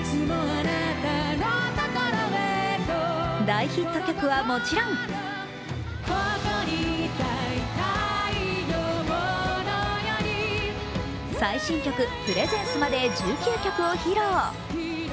大ヒット曲はもちろん最新曲「Ｐｒｅｓｅｎｃｅ」まで１９曲を披露。